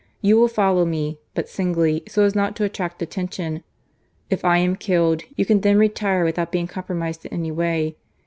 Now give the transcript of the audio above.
You will follow me, but singly, so as not to attract attention. If I am killed, you can then retire with out being compromised in any way.